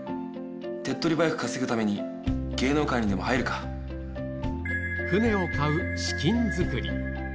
手っとり早く稼ぐために、芸能界船を買う資金作り。